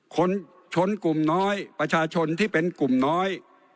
คนชนกลุ่มน้อยประชาชนที่เป็นกลุ่มน้อย